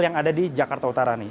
yang ada di jakarta utara nih